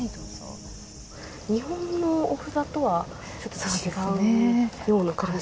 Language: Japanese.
日本のお札とはちょっと違うような感じ。